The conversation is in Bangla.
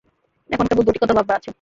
এখন কেবল দুটি কথা ভাববার আছে।